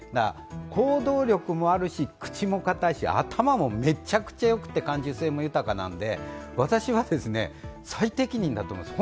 行動力もあるし、口もかたいし、頭もめちゃくちゃよくて感受性も豊かなので、私は最適任だと思います。